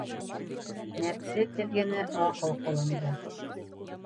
Нәпсе теҙгене аҡыл ҡулында.